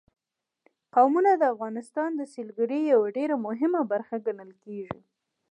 قومونه د افغانستان د سیلګرۍ یوه ډېره مهمه برخه ګڼل کېږي.